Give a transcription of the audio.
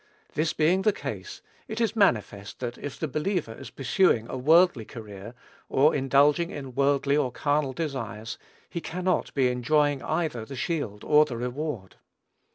This being the case, it is manifest that if the believer is pursuing a worldly career, or indulging in worldly or carnal desires, he cannot be enjoying either the "shield" or the "reward."